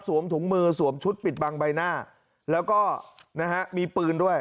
ถุงมือสวมชุดปิดบังใบหน้าแล้วก็นะฮะมีปืนด้วย